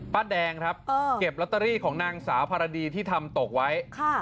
ป้าแดงครับเออเก็บของนางสาวภารณาดีที่ทำตกไว้ค่ะ